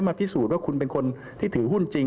พิสูจน์ว่าคุณเป็นคนที่ถือหุ้นจริง